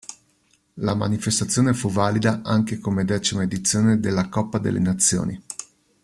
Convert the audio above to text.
La manifestazione fu valida anche come decima edizione della Coppa delle Nazioni.